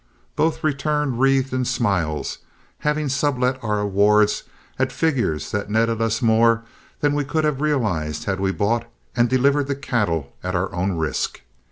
Both returned wreathed in smiles, having sublet our awards at figures that netted us more than we could have realized had we bought and delivered the cattle at our own risk.